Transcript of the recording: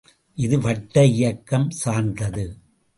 இது வட்ட இயக்கம் சார்ந்தது.